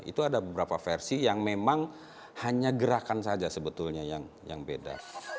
itu ada beberapa versi yang memang hanya gerakan saja sebetulnya yang beda